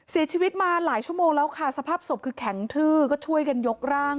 เสียชีวิตมาหลายชั่วโมงแล้วค่ะสภาพศพคือแข็งทื้อก็ช่วยกันยกร่าง